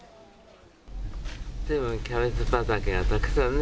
ずいぶんキャベツ畑がたくさんね。